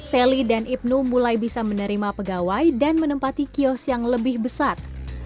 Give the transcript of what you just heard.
sally dan ibnu mulai bisa menerima pegawai dan menempati kios yang lebih besar